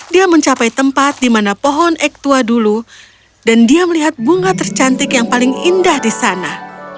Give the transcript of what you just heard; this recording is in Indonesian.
dia mencapai tempat di mana pohon ek tua dulu dan dia melihat bunga tercantik yang paling indah di sana